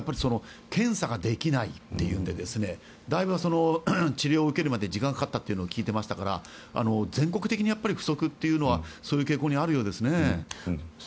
検査ができないというのでだいぶ治療を受けるまで時間がかかったと聞いていますから全国的に不足というのはそういう傾向にあるようですね。